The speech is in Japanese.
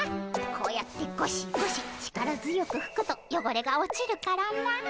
こうやってゴシゴシ力強くふくとよごれが落ちるからな。